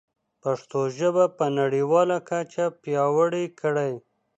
پښتو ژبه په نړیواله کچه پیاوړې کړئ.